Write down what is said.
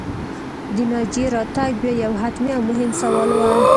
د ناجيې راتګ بیا یو حتمي او مهم سوال و